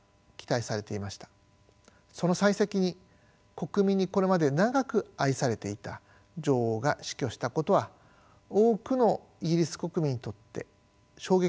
その幸先に国民にこれまで長く愛されていた女王が死去したことは多くのイギリス国民にとって衝撃であったと思います。